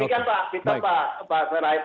demikian pak kita bahas lain